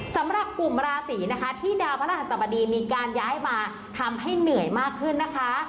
สำหรับกลุ่มราศีนะคะที่ดาวพระราชสบดีมีการย้ายมาทำให้เหนื่อยมากขึ้นนะคะ